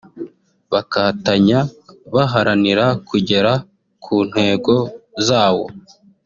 bakatanya baharanira kugera ku ntego zawo